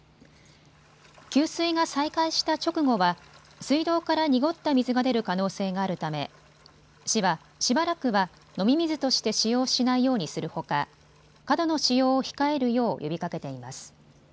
給水が再開した直後は水道から濁った水が出る可能性があるため市は、しばらくは飲み水として使用しないようにするほか、過度の使用を控えるよう呼びかけています。